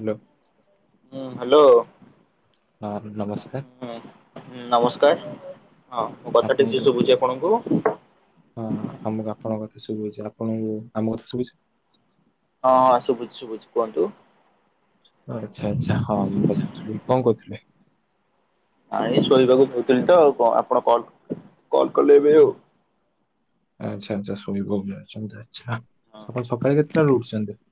Hello. ହୁଁ hello. ନ ନମସ୍କାର। ହୁଁ ନମସ୍କାର। ହଁ, ମୋ କଥା ଠିକ୍ ସେ ଆପଣଙ୍କୁ ଶୁଭୁଛି ଆପଣଙ୍କୁ? ହଁ, ଆମକୁ ଆପଣଙ୍କ କଥା ଶୁଭୁଛି। ଆପଣଙ୍କୁ ଆମ କଥା ଶୁଭୁଚି। ହଁ ହଁ, ଶୁଭୁଛି ଶୁଭୁଛି କୁହନ୍ତୁ? ଆଚ୍ଛା ଆଚ୍ଛା ହଁ ମୁଁ ପଚାଥିଲି କଣ କରୁଥିଲେ? ଆଁ ଏଇ ଶୋଇବାକୁ ଯାଉଥିଲି ତ ଆଉ। କଣ ଆପଣ କଲ କଲ କଲେ ଏବେ ଆଉ? ଆଚ୍ଛା ଆଛା। ଶୋଇବାକୁ ଯାଉଛନ୍ତି। ଆଛା। ଆପଣ ସକାଳେ କେତେଟାରୁ ଉଠୁଛନ୍ତି?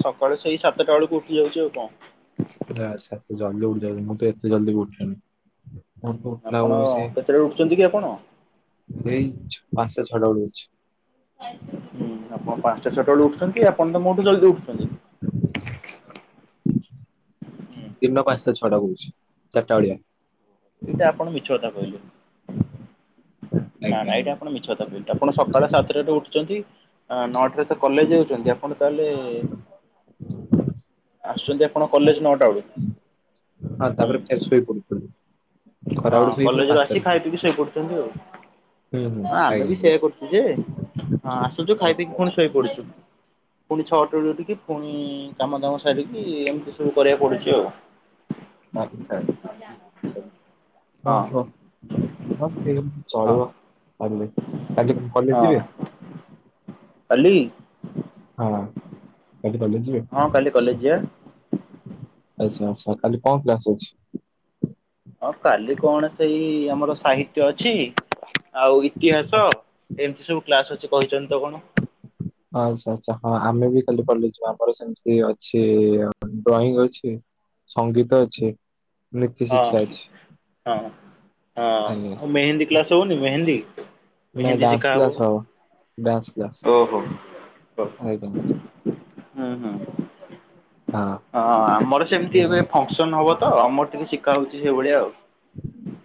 ସକାଳେ ସେଇ ସାତଟା ବେଳକୁ ଉଠି ଯାଉଛି ଆଉ କଣ? ଯା ଆଚ୍ଛା ଏତେ ଜଲଦି ଉଠି ଯାଉଚନି। ମୁଁ ତ ଏତେ ଜଲଦି ବି ଉଠେନି। କୁହନ୍ତୁ ଆପଣ ପିଲାବେଳରୁ ସଏ କେତେବେଳେ ଉଠୁଛନ୍ତି କି ଆପଣ ସେଇ ପାଞ୍ଚଟା ଛଅଟା ବେଳୁ ଉଠଛି। ହୁଁ, ଆପଣ ପାଞ୍ଚଟା ଛଅଟାବେଳୁ ଉଠୁଛନ୍ତି। ଆପଣ ତ ମୋଠୁ ଜଲଦି ଉଠୁଛନ୍ତି। [unintelligible] ଦିନ ପାଞ୍ଚଟା ଛଅଟା କହୁଛି। ଚାରିଟା ବଳିଆ। ଏଇଟା ଆପଣ ମିଛ କଥା କହିଲେ। ନା ଆଜ୍ଞା ନା ଏଇଟା ଆଜ୍ଞା ଆପଣ ମିଛ କଥା କହିଲେ ଆପଣ ସକାଳେ ସାତଟାରେ ଉଠୁଛନ୍ତି। ନଅଟାରେ କଲେଜ ଯାଉଚନ୍ତି। ଆପଣ ତା ହେଲେ ଆସୁଛନ୍ତି ଆପଣ କଲେଜ ନଅଟା ବେଳେ। ଆଉ ତା ପରେ ଫେର୍ ଶୋଇପଡିଥିଲୁ। ଖରାବେଳେ ହଁ ଶୋଇ ଫେର କଲେଜରୁ ଆସି ପାଞ୍ଚଟାରେ ଖାଇ ପିଇକି ଉଠୁଛି। ଶୋଇ ପଡୁଛନ୍ତି ଆଉ। ହୁଁ ହୁଁ। ହଁ ଆମେ ବି ଆଜ୍ଞା ଆଜ୍ଞା। ସେୟା କରୁଛୁ ଯେ ହଁ ଆସୁଛୁ ଖାଇ ପିଇକି ଆଚ୍ଛା ପୁଣି ଆଚ୍ଛା। ଶୋଇ ପଡୁଛୁ। ପୁଣି ଛଅଟାରୁ ଉଠିକି ପୁଣି କାମ ଦାମ ସାରିକି ଏମିତି ସବୁ କରିବାକୁ ପଡୁଛି ଆଉ। ଆଚ୍ଛା ଆଚ୍ଛା। ହଁ ହଁ ଚଳିବ କାଲି। ହଁ କାଲି। ହଁ। କାଲି କଲେଜ ଯିବେ? ହଁ କାଲି କଲେଜ ଯିବା। ଆଚ୍ଛା ଆଚ୍ଛା। କାଲି କଣ କ୍ଲାସ ଅଛି? ହଁ କାଲି କଣ ସେଇ ଆମର ସାହିତ୍ୟ ଅଛି, ଆଉ ଇତିହାସ? ଆଚ୍ଛା ଏମିତି ସବୁ କ୍ଲାସ୍ ଅଛି, କହିଛନ୍ତି ତ କଣ? ଆଚ୍ଛା ଆଚ୍ଛା। ହଁ, ଆମେ ବି ଖାଲି କଲେଜ ଯିବୁ। ଆମର ସେମିତି ଅଛି ଡ୍ରଇଂ ଅଛି। ସଙ୍ଗୀତ ଅଛି। ନୀତି ହଁ ଶିକ୍ଷା ଅଛି ହଁ ଆଜ୍ଞା ହଁ। ନାଇଁ ମେହେନ୍ଦୀ ଡ୍ୟାନ୍ସ ଶିଖାହବ। କ୍ଲାସ୍ ହବ ଡ୍ୟାନ୍ସ କ୍ଲାସ୍ ହୁଁ ହୁଁ। ଆଜ୍ଞା ହଁ ଫଙ୍କସନ ହବ ତ ଆମର ଟିକେ ଶିଖା ହଉଛି ସେଇଭଳିଆ ଆଉ।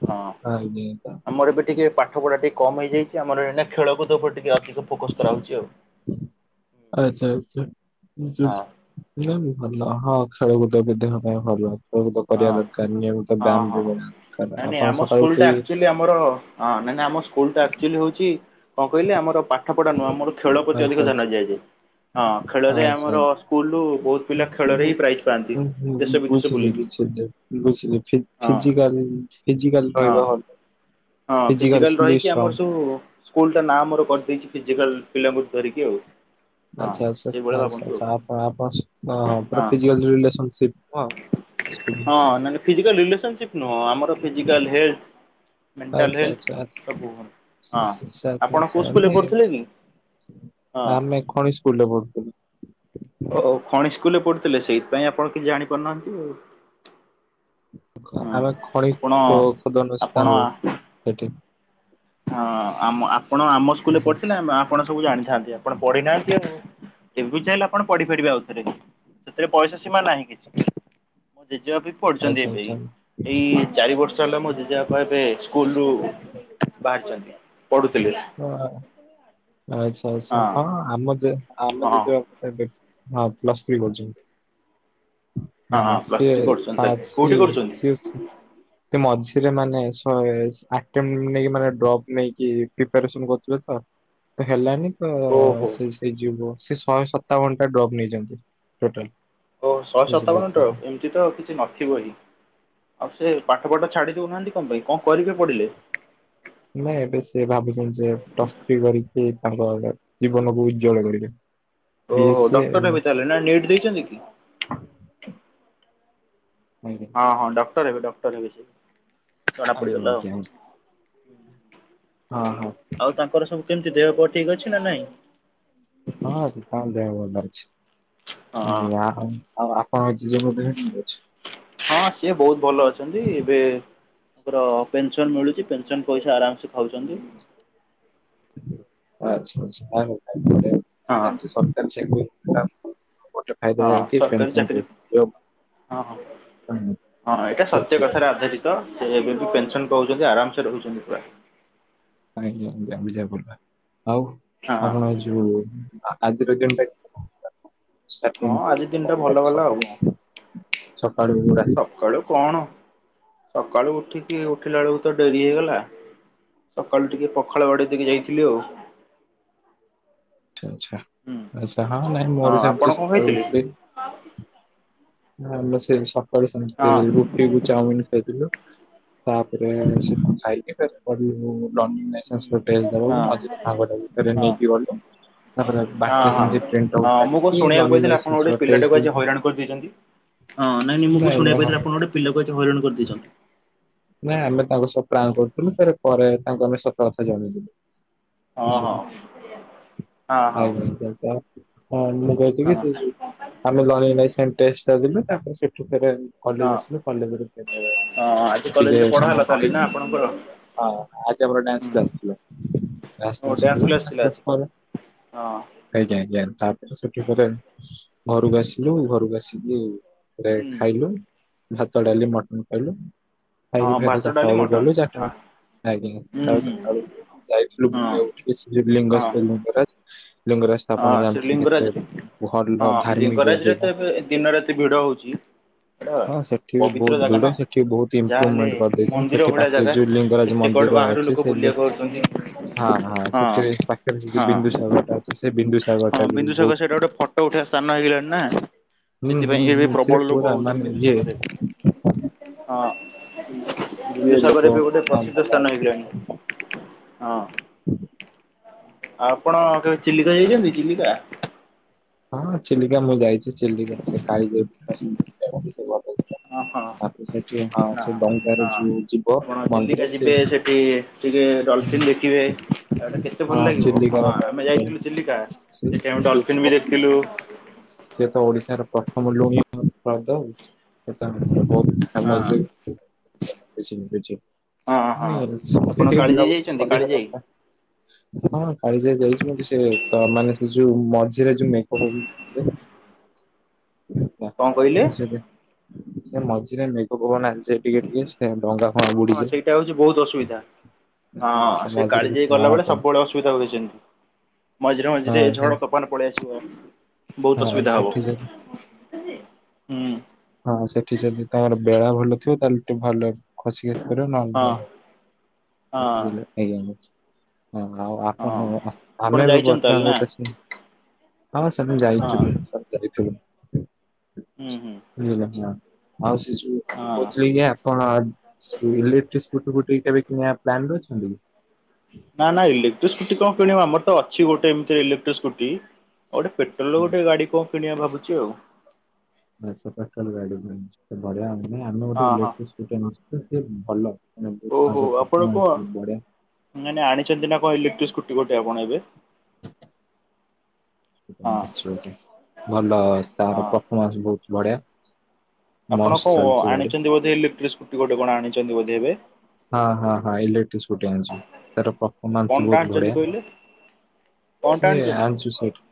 ହଁ ଆଜ୍ଞା ଆମର ବି ଟିକେ ପା ପାଠ ପଢା ଟିକେ କମ୍ ହେଇଯାଇଛି। ଆମର ଏଇନେ ଖେଳକୁଦ ଉପରେ ଟିକ ଅଧିକ ଫୋକସ୍ କରାହଉଛି ଆଉ। ଆଚ୍ଛା ଆଚ୍ଛା। ହଁ ବୁଝିଲି। ନାଇଁ ଭଲ। ହଁ, ଖେଳକୁଦ ବି ଦେହ ପାଇଁ ଭଲ। ଖେଳକୁଦ ହଁ କରିବା ମୂର୍ଖାମି। ହଁ ବ୍ୟାୟାମ ହଁ। ଯୋଗ [unintelligible] ଆପଣ ସକାଳୁ ଉଠି କି ଆମର ଆଁ ନାଇଁ ନାଇଁ ଆମ ସ୍କୁଲଟା ଆକ୍ଚୁଆଲି ହଉଛି କଣ କହିଲେ ଆମର ପା ପାଠ ପଢା ନୁହଁ ଆମର ଖେଳ ପ୍ରତି ଆଚ୍ଛା ଅଧିକ ଆଚ୍ଛା ଧ୍ୟାନ ଦିଆଯଏ। ହଁ ଖେଳରେ ଆଚ୍ଛା ଆମର ଆଚ୍ଛା। ସ୍କୁଲରୁ ବହୁତ ପିଲା ଖେଳରେ ହିଁ ପ୍ରାଇଜ୍ ପାଆନ୍ତି। ହୁଁ ହୁଁ ଦେଶ ବିଦେଶ ବୁଝିଲି ବୁଲିକି ବୁଝିଲି ଯେ ବୁଝିଲି ହଁ ଫି-ଫିଜିକାଲ ହଁ। Physical physical selection. ଉୁଁ ସ୍କୁଲଟା ନାଁ ଆମର କରିଦେଇଛି ଫିଜିକାଲ ପିଲାଙ୍କୁ ଧରିକି ଆଉ। ହଁ ଆଚ୍ଛା ଆଚ୍ଛା ସେଇଭଳିଆ ଆଚ୍ଛା ଭାବନ୍ତୁ ଆଉ ଆଚ୍ଛା ଆପଣ ଆପଣ ସ ଣ ପୁରା ହଁ। ଫିଜିକାଲ ଯୋଉ ରିଲେସନ ସିପନୁହଁ। [unintelligible] ହଁ ନାଇଁ ଫିଜିକାଲ ରିଲେସନସିପ୍ ନୁହଁ ଆମର ଫିଜିକାଲ ହେଡ। ମେଣ୍ଟାଲ ଆଚ୍ଛା ହେଲ ଆଚ୍ଛା ଆଚ୍ଛା ସବୁ ହଁ ଆଚ୍ଛା ଆପଣ ଆଚ୍ଛା ଆଚ୍ଛା। କୋଉସ୍କୁଲରେ ନାଇଁ ପଢ଼ୁଥିଲେକି? ଆମେ ଖଣି ସ୍କୁଲରେ ପଢୁଥିଲୁ। ହଉ ଖଣି ସ୍କୁଲରେ ପଢୁଥିଲେ ସେଇଥିପାଇଁ ଆପଣ କିଛି ଜାଣିପାରୁନାହାନ୍ତି ଆଉ। ଆମେ ଖଣିି ଆପଣ ଖୋ ଖୋଦନର ଆପଣ ସିକାରହୁଏ ସେଠି। ହଁ ଆମ ଆପଣ ଆମ ସ୍କୁଲରେ ପଢିଥିଲେ ଆମ ଆପଣ ସବୁ ଜାଣିଥାନ୍ତେ ଆପଣ ପଢିନାହାନ୍ତି ଆଉ ଏବେବି ଚାହିଁଲେ ଆପଣ ପଢିପାରିବେ ଆଉଥରେ। ସେଥିରେ ବୟସ ସୀମା ନାହିଁ କିଛି। ଜେଜେବାପାବି ପଢିଛନ୍ତି ଆଚ୍ଛା ଏବେ ଆଚ୍ଛା ଏଇ ଏଇ ଚାରି ବର୍ଷ ହେଲା ମୋ ଜେଜେବାପା ଏବେ ସ୍କୁଲରୁ ବାହାରିଛନ୍ତି। ପଢୁଥିଲେ [unintelligible] ଆଚ୍ଛା ଆଚ୍ଛା ହଁ ଆମ ଜେ ଆମ ହଁ ଜେଜେ ବାପା। ଏବେ ହଁ ପ୍ଲସ ଥ୍ରୀ କରୁଛନ୍ତି। ହଁ [unintelligible] ପ୍ଲସ୍ ସିଏ ଥ୍ରୀ କରୁଛନ୍ତି ଆ ତାହେଲେ କୋଉଠି ସିଏ କରୁଛନ୍ତି? ସିଏ ସେ ମଝିରେ ମାନେ ଶହେ ଆଟେମ୍ଲି ନେଇକି ମାନେ ଡ୍ରପ୍ ନେଇକି କିଏ ପ୍ରିପାରେସନ କରୁଥିଲେତ ହେଲାନିତ ଓହୋ। ସେ ହେଇଯିବ ସେ ଶହେ ସତାବନଟା ଡ୍ରପ୍ ନେଇଛନ୍ତି ଟୋଟାଲି। ଓ ଶହେ ସତାବନ ଡ୍ରଫ ଏମିତି। ଚିତ କିଛି ନଥିବହିଁ ଆଉ ସେ ପାଠପଢା ଛାଡି ଦଉନାହାନ୍ତି କଣ ପାଇଁ କଣ କରିବେ ପଢିଲେ? ନାଇଁ ଏବେ ସେ ଭାବୁଛନ୍ତିଯେ ପ୍ଲସ ଥ୍ରୀ କରିକି ତାଙ୍କ ଜୀବନକୁ ଉଜ୍ଜ୍ୱଳ କରିବେ। ଓହୋ ବିଏସସି ଡକ୍ଟର ହେବେ ଏମଏସସି ତାହେଲେ ନା ନିଟ ଦେଇଛନ୍ତିକି। ଆଜ୍ଞା। ହଁ ହଁ ଡକ୍ଟର ହେବେ ଡକ୍ଟର ହେବେ ସେ ଜଣା ଆଜ୍ଞା ପଡିଗଲା ଆଉ ଆଜ୍ଞା ହଁ ହଁ ଆଉ ତାଙ୍କର ସବୁ ସେମିତି ଦେହ ଫେଅ ଠିକ ଅଛିନା ନାଇଁ। ହଁ ତାଙ୍କ ଦେହ ଭଲଅଛି। ହଁ। ୱାଓ ଆଉ ଆପଣଙ୍କ ଜେଜେଙ୍କ ଦେହ କେମିତି ଅଛି। ହଁ ସିଏ ବହୁତ ଭଲଅଛନ୍ତି ଏବେ ତାଙ୍କର ପେନସନ ମିଳୁଛି ପେନସନ ପଇସା ଆରାମସେ ଖାଉଛନ୍ତି। ଆଚ୍ଛା ଆଚ୍ଛା [unintelligible] ହଁ ସରକାର [unintelligible] ମୋତେ ଫାଇଦା ଏହିକି ପେନ୍ସନ ଦଉଚି [unintelligible] ହଁହଁ ହଁହଁ ଏଇଟା ସତ୍ୟ କଥାରେ ଆଧାରିତ। ତ ସେ ଏବେବି ପେନସନ ପାଉଛନ୍ତି ଆରାମସେ ରହୁଛନ୍ତି ପୁରା। ଆଜ୍ଞା ଆଜ୍ଞା ବୁଝାପଡିଲା ଆଉ ହଁ ଆପଣ ଏଇଯୋଉ ଯୋଉ ଆ ଆଜିର ଦିନଟା ହଁ ଷ୍ଟାଷ୍ଟିଙ୍ଗରୁ ଆଜି ଦିନଟା କଣ ଭଲ କରିଚ ଗଲା ଆଉ କଣ ସକାଳୁ ସକାଳୁ ରାତି। ସକାଳୁ କଣ ସକାଳୁ ଉଠିକି ଉଠିଲା ବେଳକୁତ ଡେରି ହେଇଗଲା। ସକାଳୁ ଟିକିଏ ପଖାଳ ବାଡେଇ ଦେଇକି ଯାଇଥିଲି ଆଉ। ଆଚ୍ଛା ଆଚ୍ଛା ଅଚ୍ଛା ହଁ ନାଇଁ ହଁ ମୋର ଆପଣ ସେମିତି କଣ ସକାଳୁ ଖାଇଥିଲେ? ଉଠିଲେ ବଲସେ ସକାଳୁ [unintelligible] ହଁ କିଏ କୋଉ ଚାଉମିିନ ଖାଇଥିଲୁ ତାପରେ ସେ ଖାଇକି [unintelligible] ରନିନେସସେ ଫୁଟେଜ ହଁ ଦେବାକୁ ମଝିରେ ସାଙ୍ଗଟାକୁ ଫେରେ ହଁ। ନେଇକି ଗଲୁ। ତାପରେ ବାଟରେ ହଁ ସେମିତି ପ୍ରିଣ୍ଟ ଆଉଟ୍ ହଁ ମୁଁ କଣ କାଢିକି ଶୁଣିବାକୁ ଲର୍ଣ୍ଣିଂ ପାଇଥିଲି ଆପଣ ଲାଇସେନ୍ସ ଗୋଟେ ର ଟେଷ୍ଟ ପିଲାଟାକୁ ଦେଲୁ। ଆଜି ହଇରାଣ କରିଦେଇଛନ୍ତି ହଁ ନାଇଁ ନାଇଁକୁ ନାଇଁ ଶୁଣିବାକୁ ହଁ ପାଇଥିଲି ଆପଣ ଗୋଟେ ପିଲାକୁ ଆଜି ହଇରାଣ କରିଦେଇଛନ୍ତି। ନାଇଁ ଆମେ ତାଙ୍କ ସବୁ ପ୍ରାଙ୍କ କରୁଥିଲୁ ପରେ ତାଙ୍କୁ ସତ ଆମେ ସବୁ କଥା ଜଣେଇଲୁ ଦେଲୁ। ହଁ ହଁ ହଁ ହଁ ଆଚ୍ଛା [inaudible] ହଁ ମୁଁ କହିଥିଲି ହଁ ସେ ଯଉ ଆମେ ଲେଇଲୁ ତାପରେ ସେଠୁ ଫେ [unintelligible] କଲ ଦ କିଲଜ ର [inaudible] ସେ କଲେଜରେ ପଢା ହେଲା କାଲି ନା ଆପଣଙ୍କର ହଁ ଆଜି ଆମ ଡ୍ୟାନ୍ସ କ୍ଲାସ ଥିଲା ଓ ଡ୍ୟାନ୍ସ କ୍ଲାସ୍ ଥିଲା ଆଜି [inaudible] ହଁ ଆଜ୍ଞା ଆଜ୍ଞା ତାପରେ ସେଠି ଫେର ଘରକୁ ଆସିଲୁ ଘରକୁ ଆସିକି ତାପରେ ହୁଁ ଖାଇଲୁ ଭାତ ଡାଲି ମଟନ ଖାଇଲୁ ହଁ ଖାଇକି ଫେର ଭାତ ଚାରିଟା ଡାଲି ବେଳ ମଟନ ଗଲୁ ଚାରିଟା ହଁ ବେଳ ଆଜ୍ଞା ହୁଁ ତାପରେ ହୁଁ ସକାଳୁ ଯାଇଥିଲୁ ହଁ ଉଠିକି ହଁ ଲିଙ୍ଗରାଜ ଲିଙ୍ଗରାଜ ଆପଣ ହଁ ଶ୍ରୀ ଜାଣିଥିବେ କେତେ ଲିଙ୍ଗରାଜରେ ଭଲ ହଁ ଧାର୍ମିକ ଲିଙ୍ଗରାଜରେ ଜାଗା ତ ଏବେ ଦିନ ରାତି ଭିଡ ହଉଛି। ଏଟା ହଁ ସେଠି ପବିତ୍ର ବହୁତ ଜାଗା ନା। ଭିଡ ସେଠି ବହୁତ ଯାହାହେଲେ ଇମ୍ପ୍ରମେଣ୍ଟ କରିଦେଇଛନ୍ତି ମନ୍ଦିର ସେଠି ଭଳିଆ ପାଖରେ ଜାଗା ଯୋଉ ଲିଙ୍ଗରାଜ କେତେ କୁଆଡୁ ମନ୍ଦିର ବାହାରୁ ଅଛି ଲୋକ ସେ ବୁଲିବାକୁ ଆଉଛନ୍ତି। ହଁ ହଁ ସେଥିରେ ପାଖରେ ସେ ବିନ୍ଦୁ ହଁ ସା ହଁ ବିନ୍ଦୁସାଗର ସେଇଟା ଗୋଟେ ଫଟୋ ଉଠେଇବା ସ୍ଥାନ ହେଇଗଲାଣି ନା ହୁଁ ହୁଁ ସେଥିପାଇଁ ଏବେ ହୁଁ ସେ ପ୍ରବଳ ଲୋକ ପୁରା ମାନେ ହଉଛନ୍ତି ଇଏ ବିନ୍ଦୁସାଗରରେ ହଁ ଇଏ ଲୋକ ବିନ୍ଦୁସାଗର ଏବେ ଗୋଟେ ହଁ ପ୍ରସିଦ୍ଧ ଭଲ ସ୍ଥାନ ଅଛି ହେଇଗଲାଣି ହଁ ହୁଁ ଆ ଆପଣ କେବେ ଚିଲିକା ଯାଇଛନ୍ତି ଚିଲିକା ହଁ ଚିିଲିିକା ମୁଁ ଯାଇଛି ଚିିଲିିକା ସେ କାଲିଜାଇ [inaudible] ଓ ହଁ ହଁ ସେ ଡଙ୍ଗାରେ ହଁ ଯୋଉ ଯିବ ଆପଣ ମନ୍ଦିର ଚିଲିକା ସେ ଯିବେ ସେଠି ଟିକେ ହଁ ଡଲଫିନ୍ ଦେଖିବେ ଏଟା କେତେ ଭଲ ଲାଗିବ ଚିଲିକାର ହଁ ସେ ଆମେ ଯାଇଥିଲୁ ଚିଲିକା ସେ- ସେଠି ଆମେ ଡଲଫିନ ବି ଦେଖଥିଲୁ ସିଏ ତ ଓଡିଶାର ପ୍ରଥମ ଲୁଣି ହ୍ରଦ ହଉ ସେ ବହୁତ ହଁ ସମ କିଛି କିଛି ହଁ [inaudible] ହଁ ନଁେ ଆପଣ ଟିକେ ବୁୁ କାଳିଜାଇ ଯାଇଛନ୍ତି କରି କାଳିଜାଇ ଦରକାର [unintelligible] ହଁ କାଳୀଯାଇ ଯାଇଛି ମ ସେ ତ ମାନେ ସେ ଯୋଉ ଯରା ଯୁ ମ ଖବ ବା କଣ କହିଲେ? ବଝ [inaudible] ସେ ମଝିରେ ମେଘ ପବନ ଆସିଯାଏ ଟିକେ ଟିକେ ସେ ଡଙ୍ଗା ଫଙ୍ଗା ହଁ ହଁ ସେଇଟା ହଉଛି ବହୁତ ବୁଡିଯାଏ ଅସୁବିଧା ହଁ ସେ ମଝିରେ କାଳି କିଛି ଯାଇ ଗଲା ଜଣା ବେଳେ ପଡେ ସବୁବେଳେ ଅସୁବିଧା ହୁଏ ସେମିତି ମଝିରେ ମଝିରେ ହଁ ଏ ସେ ଝଡ ତୋ ପବନ ପଳେଇ ଆସିବ ବହୁତ ହଁ ଅସୁବିଧା ହବ ସେଠି ଯଦି ହୁଁ ହଁ ସେଠି ଯଦି ତମର ବେଳା ଭଲ ଥିବ ତାହେଲେ ଟିକେ ଭଲ ଖୋସିିକ ହଁ ନଇ ହଁ [unintelligible] ହଁ ଆଉ ହଁ ଆପଣ ଆପଣ ଆମେ ବି ଯାଇଛନ୍ତି ବର୍ ତାହେଲେ ନା ଗୋଟେ ସ ହଁ ସେ ମୁଁ ହଁ ଯାଇଛୁ ସତ ରେ ଯାଇଛୁ ହୁଁ ହୁଁ ବୁଝିଲ ଆଉ ସେ ଯୁ ହଁ ପଚ ଲ ଯା [inaudible] କଣ ଇଲେକ୍ଟ୍ରିକ ସ୍କୁଟି ଫୁଟି କେବେ କିଣିବା ପ୍ଲାନ କରିଛନ୍ତି ନା ନା ଇଲେକ୍ଟ୍ରିସ୍କୁଟି କଣ କିଣ ଆମର ତ ଅଛି ଗୋଟେ ଏମିତି ଇଲେକ୍ଟ୍ରିସ୍କୁଟି ଆ ଗୋଟେ ପେଟଲ ଗୋଟେ ଗାଡି କଣ କିଣିବା ଭାବୁଛି ଆଉ ବଢିଆ ହବ ନାଇଁ ଆମେ ଗୋଟେ ହଁ ହଁ ଇଲେକ୍ଟ୍ରି ସ୍କୁଟି [unintelligible] ସେ ଭଲ ଓହୋ [unintelligible] ଆପଣ କଣ ପଫମନସ ବଢିଆ। ମାନେ ଆଣିଛନ୍ତି ନା କହିଲେ! ଇଲେକ୍ଟ୍ରି ସ୍କୁଟି ଗୋଟେ ଆପଣ ଏବେ? ହଁ ଭଲ ତାର ହଁ ପରଫମନ୍ସ ବହୁତ ବଢିଆ। ଆପଣ ମସ୍ତ କଉ ଚାଲିଛି ଗାଡି ଆଣିଛନ୍ତି ବୋଧେ ଇଲେକ୍ଟ୍ରି ସ୍କୁଟି ଗୋଟେ କଣ ଆଣିଛନ୍ତି ବୋଧେ ଏବେ? ହଁ, ହଁ, ହଁ, ଇଲେକ୍ଟ୍ରି ସ୍କୁଟି ଆଣିଛି ତାର ପରଫ ମାନ୍ସ କଣଟା ବହୁତ ଆଣିଛନ୍ତି ବଢିଆ। କହିଲେ କଣଟା ସେ ଆଣିଛନ୍ତି? ଆଣିଛୁ ସେଇଠୁ।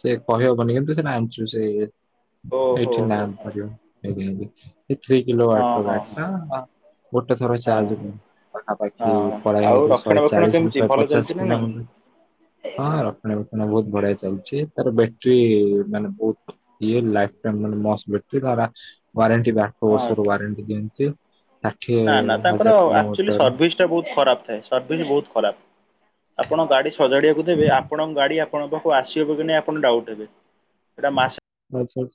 ସେ କହିହବନି କିନ୍ତୁ ସେ ଜାଣିଛୁ ସେ ଓହୋ ଏଇଠି ନା ହୋ ହଁ [unintelligible] ଥ୍ରୀ ହଁ କିଲୋବାଟୋ ହଁ ହଁ ଗାଡି ଟା ଗୋଟେ ଥର ହଁ ଚାର୍ଜ ନୁ ପାଖାପାଖି ଆଉ ପଢାଏ ଶହେ ରକ୍ଷଣା ବେକ୍ଷଣ ଚାଳିଶରୁ କେମିତି ଶହେ ଭଲ ଚାଲିଛି ନା ପଚାଶ ନାଇଁ? ରାଉଣ୍ଡ ରେ। ହଁ ରକ୍ଷଣା ବକ୍ଷଣା ବହୁତ ବଢିଆ ଚାଲିଛି। ତାର ବ୍ୟାଟେରୀ ମାନେ ବହୁତ ଇଏ ଲାଇଫ୍ ଟାଇମ ମାନେ ମସ୍ ବେଟ୍ରୀ ୱାରେଣ୍ଟିି ବା। ହଁ ବର୍ଷର ୱାରେଣ୍ଟି ଦିଅନ୍ତି ଯେ ଷାଠିଏ ହଜ ତ ଆକ୍ଚୁଆଲି ସରଭିସ୍‌ ବୋହୁତ ଖରାପ ଥାଏ ସର୍ଭିସ୍‌ ବହୁତ ଖରାପ ଆପଣ ଗାଡି ସଜାଡିବାକୁ ଦେବେ ଆ ଆପଣଙ୍କ ଗାଡି ଆପଣଙ୍କ ପାଖକୁ ଆସିିବ କି ନାଇଁ ଆପଣ ଡାଉଟ୍ ହେବେ! ସେଟା ମାସ ଆଛା।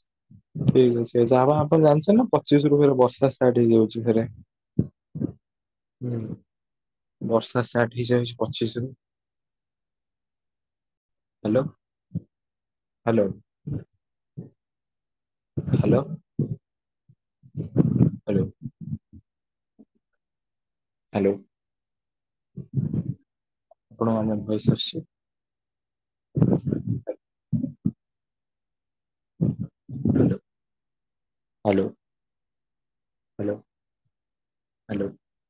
ଠିକ୍ ଅଛି ଯାହା ହବ ଆପଣ ଜାଣିଛ ନା ପଚିଶ ରୁ ବର୍ଷା ଷ୍ଟାର୍ଟ ହେଇଯାଉଛି ଫେରେ ହୁଁ, ବର୍ଷା ଷ୍ଟାର୍ଟ ହେଇଯାଉଛି ପଚିଶ ରୁ। Hello hello hello hello hello ଆପଣ [unintelligible] [inaudible] ହାଲୋ ହାଲୋ ହାଲୋ